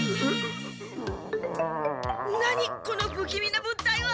何このぶきみな物体は！